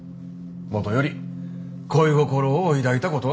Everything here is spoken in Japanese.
もとより恋心を抱いたことはなか。